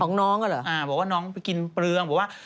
ของน้องน่ะเหรออ่าบอกว่าน้องไปกินเปลือง